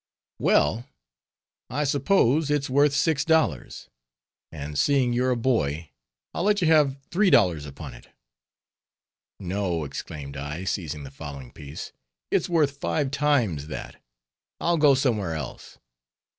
"Well, I suppose it's worth six dollars, and seeing you're a boy, I'll let you have three dollars upon it" "No," exclaimed I, seizing the fowling piece, "it's worth five times that, I'll go somewhere else."